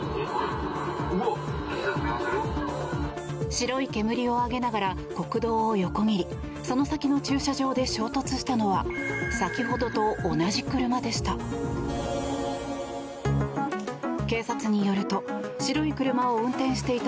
白い煙を上げながら国道を横切りその先の駐車場で衝突したのは先ほどと同じ車でした。